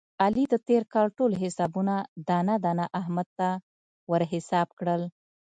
علي د تېر کال ټول حسابونه دانه دانه احمد ته ور حساب کړل.